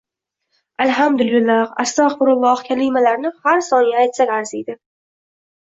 “Alhamdulillah”, “Astag‘firulloh” kalimalarini har soniyada aytsak arziydi.